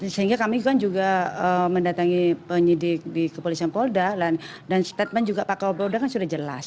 sehingga kami kan juga mendatangi penyidik di kepolisian polda dan statement juga pak kapolda kan sudah jelas